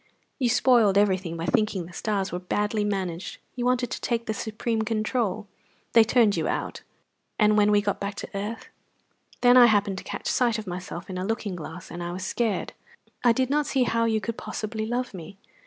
"You spoiled everything by thinking the stars were badly managed. You wanted to take the supreme control. They turned you out." "And when we got back to earth?" "Then I happened to catch sight of myself in a looking glass, and I was scared. I did not see how you could possibly love me.